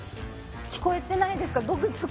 聞こえてないですか？